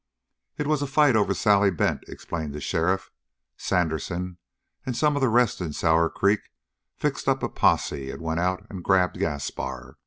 "It was a fight over Sally Bent," explained the sheriff. "Sandersen and some of the rest in Sour Creek fixed up a posse and went out and grabbed Gaspar.